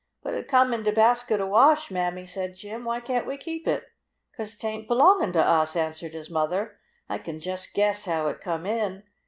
"But it come in de basket of wash, Mammy!" said Jim. "Why can't we keep it?" "'Cause tain't belongin' to us," answered his mother. "I can jest guess how it come in.